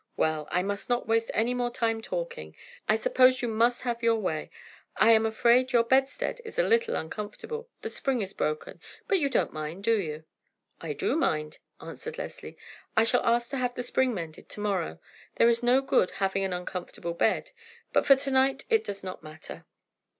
"Well, I must not waste any more time talking. I suppose you must have your way. I am afraid your bedstead is a little uncomfortable. The spring is broken; but you don't mind, do you?" "I do mind," answered Leslie. "I shall ask to have the spring mended to morrow. There is no good in having an uncomfortable bed; but for to night it does not matter."